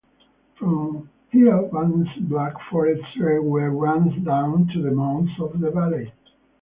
From here Baden's Black Forest Railway runs down to the mouth of the valley.